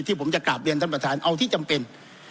ผมจะกราบเรียนท่านประธานเอาที่จำเป็น